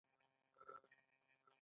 د تولید لګښتونه د متوسطې ګټې بیه لري